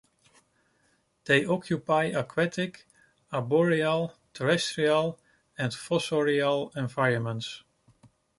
They occupy aquatic, arboreal, terrestrial and fossorial environments.